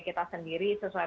kita sendiri sesuai